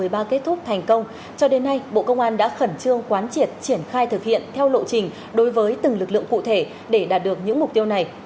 và ngay sau khi đại hội một mươi ba kết thúc thành công cho đến nay bộ công an đã khẩn trương quán triệt triển khai thực hiện theo lộ trình đối với từng lực lượng cụ thể để đạt được những mục tiêu này